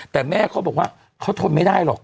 แต่แม่เขาบอกว่าเขาทนไม่ได้หรอก